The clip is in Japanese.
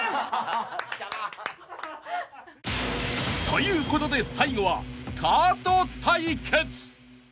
［ということで最後はカート対決］